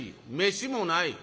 「飯もない」。